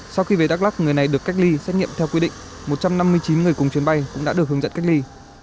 sau khi về đắk lắc người này được cách ly xét nghiệm theo quy định một trăm năm mươi chín người cùng chuyến bay cũng đã được hướng dẫn cách ly